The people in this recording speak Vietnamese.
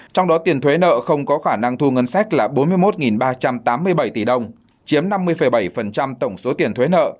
trong đó tiền thuế nợ không có khả năng thu ngân sách là bốn mươi một ba trăm tám mươi bảy tỷ đồng chiếm năm mươi bảy tổng số tiền thuế nợ